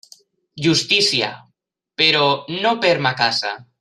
Justícia, però no per ma casa.